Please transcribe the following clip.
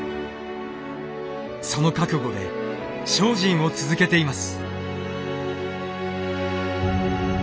その覚悟で精進を続けています。